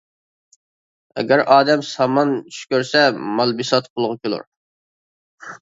ئەگەر ئادەم سامان چۈش كۆرسە، مال-بىسات قولغا كېلۇر.